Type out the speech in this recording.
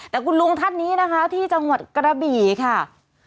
แต่คุณลุงท่านนี้นะคะที่จังหวัดกระบี่ค่ะ